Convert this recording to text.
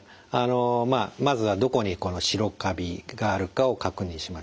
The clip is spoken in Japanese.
まずはどこに白カビがあるかを確認しましょう。